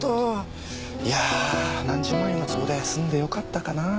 いや何十万円の壺で済んでよかったかなあ。